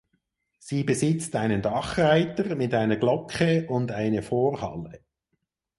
Sie besitzt einen Dachreiter mit einer Glocke und eine Vorhalle.